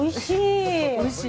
おいしい！